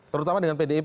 terutama dengan pdip